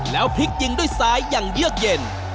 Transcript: แล้วพลิกยิงด้วยซ้ายอย่างเยือกเย็น